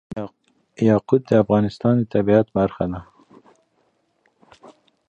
یاقوت د افغانستان د طبیعت برخه ده.